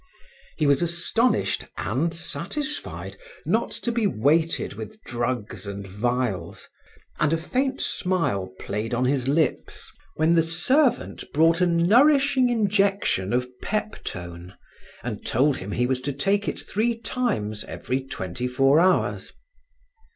He was astonished and satisfied not to be weighted with drugs and vials, and a faint smile played on his lips when the servant brought a nourishing injection of peptone and told him he was to take it three times every twenty four hours.